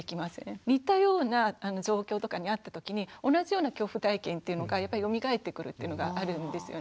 似たような状況とかにあった時に同じような恐怖体験っていうのがよみがえってくるっていうのがあるんですよね。